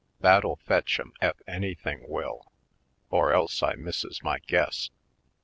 That'll fetch 'em ef anything will, or else I misses my guess.